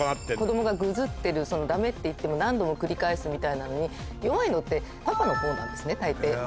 「ダメ！」って言っても何度も繰り返すみたいなのに弱いのってパパの方なんですね大抵。